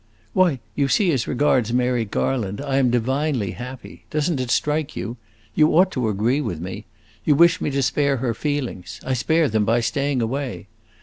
"Why, you see, as regards Mary Garland. I am divinely happy! Does n't it strike you? You ought to agree with me. You wish me to spare her feelings; I spare them by staying away.